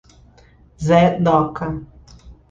zé Doca